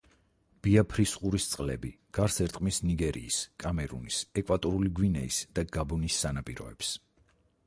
ბიაფრის ყურის წყლები გარს ერტყმის ნიგერიის, კამერუნის, ეკვატორული გვინეის და გაბონის სანაპიროებს.